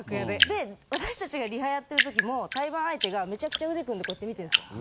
で私たちがリハやってるときも対バン相手がめちゃくちゃ腕組んでこうやって見てるんですよ。